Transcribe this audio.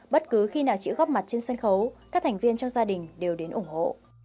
bất cứ khi nào chị góp mặt trên sân khấu các thành viên trong gia đình đều đến ủng hộ